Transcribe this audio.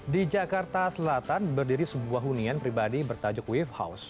di jakarta selatan berdiri sebuah hunian pribadi bertajuk wave house